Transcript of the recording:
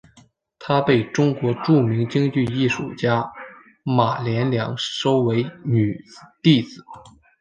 她被中国著名京剧艺术家马连良收为女弟子。